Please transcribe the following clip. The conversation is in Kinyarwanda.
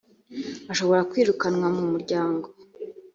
ashobora kwirukanwa mu muryango